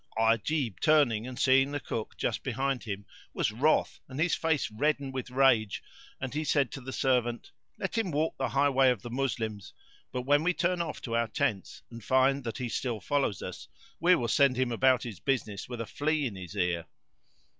Ajib, turning and seeing the Cook just behind him, was wroth and his face reddened with rage and he said to the servant; "Let him walk the highway of the Moslems; but, when we turn off it to our tents, and find that he still follows us, we will send him about his business with a flea in his ear."